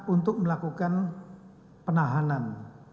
untuk melakukan penahanan